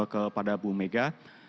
kepada bu mega